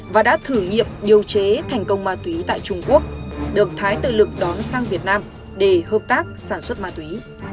và đã thử nghiệm điều chế thành công ma túy tại trung quốc được thái tự lực đón sang việt nam để hợp tác sản xuất ma túy